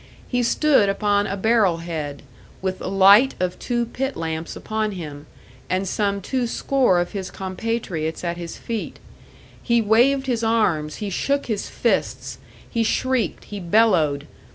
He stood upon a barrel head, with the light of two pit lamps upon him, and some two score of his compatriots at his feet; he waved his arms, he shook his fists, he shrieked, he bellowed.